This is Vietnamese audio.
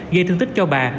gây thương tích cho bà